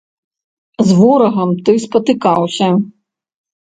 З ворагам ты спатыкаўся.